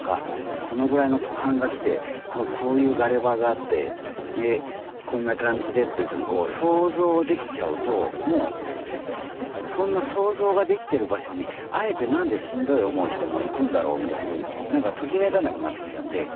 このぐらいの登坂が来てこういうガレ場があってこんな感じでっていうふうに想像できちゃうともうそんな想像ができてる場所にあえて何でしんどい思いしても行くんだろうみたいに何かときめかなくなってきちゃって。